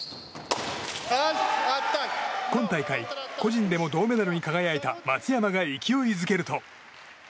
今大会、個人でも銅メダルに輝いた松山が勢いづけると。